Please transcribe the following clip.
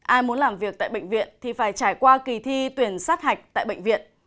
ai muốn làm việc tại bệnh viện thì phải trải qua kỳ thi tuyển sát hạch tại bệnh viện